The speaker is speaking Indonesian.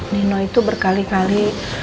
nino itu berkali kali